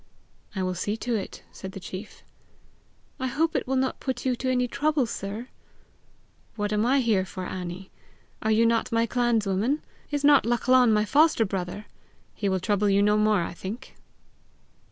"I will see to it," said the chief. "I hope it will not put you to any trouble, sir!" "What am I here for, Annie! Are you not my clanswoman! Is not Lachlan my foster brother! He will trouble you no more, I think."